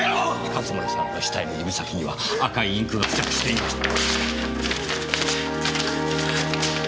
勝村さんの死体の指先には赤いインクが付着していました。